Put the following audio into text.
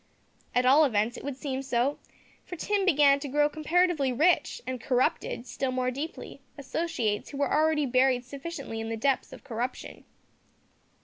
At all events it would seem so, for Tim began to grow comparatively rich, and corrupted, still more deeply, associates who were already buried sufficiently in the depths of corruption.